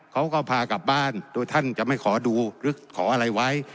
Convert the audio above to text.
เขาก็พากลับบ้านโดยท่านจะไม่ขอดูหรือขออะไรไว้